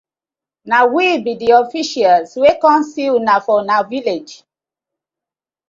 Na we bi di officials wey com to see una for una village.